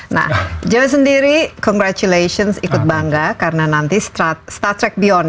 nah joe sendiri congratulations ikut bangga karena nanti star trek beyond